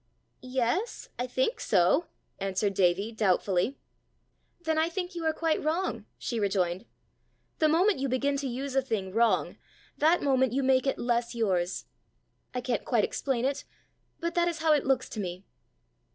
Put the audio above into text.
"Yes, I think so," answered Davie, doubtfully. "Then I think you are quite wrong," she rejoined. "The moment you begin to use a thing wrong, that moment you make it less yours. I can't quite explain it, but that is how it looks to me."